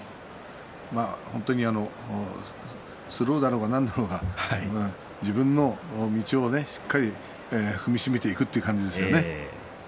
本当にスローだろうが何だろうが自分の道をしっかり踏み締めていくという感じですよね。